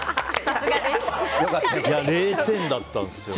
０点だったんですよね。